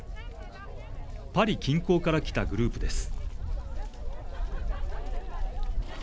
パリ近郊から来たグループです。